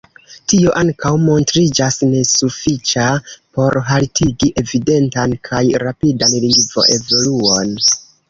Tio ankaŭ montriĝas nesufiĉa por haltigi evidentan kaj rapidan lingvoevoluon.